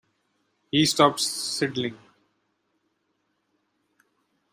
He stopped sidling.